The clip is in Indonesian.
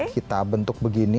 kita bentuk begini